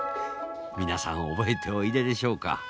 皆さん覚えておいででしょうか。